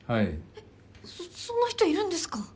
えっそそんな人いるんですか？